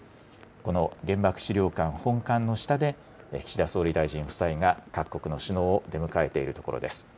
この原爆資料館本館の下で、岸田総理大臣夫妻が各国の首脳を出迎えているところです。